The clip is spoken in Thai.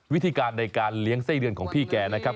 วิธีการในการเลี้ยงไส้เดือนของพี่แกนะครับ